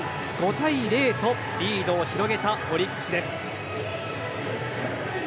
５対０とリードを広げたオリックスです。